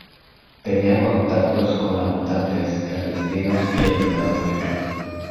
Tenía contactos con la mutantes clandestinos y el mercado negro.